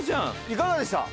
いかがでした？